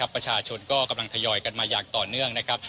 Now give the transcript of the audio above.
ประชาชนก็กำลังทยอยกันมาอย่างต่อเนื่องนะครับ